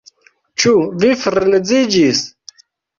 Ĉu vi freneziĝis?